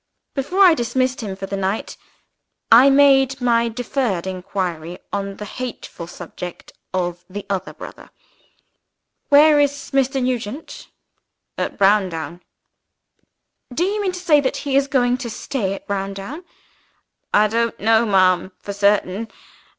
Before I dismissed him for the night, I made my deferred inquiry on the hateful subject of the other brother. "Where is Mr. Nugent?" "At Browndown." "Do you mean to say that he is going to stay at Browndown?" "I don't know, ma'am, for certain.